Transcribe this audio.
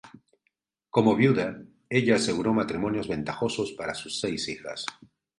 Como viuda, ella aseguró matrimonios ventajosos para sus seis hijas.